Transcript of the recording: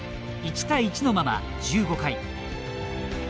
１対１のまま１５回。